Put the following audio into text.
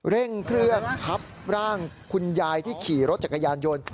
เร่งเครื่องทับร่างคุณยายที่ขี่รถจักรยานยนต์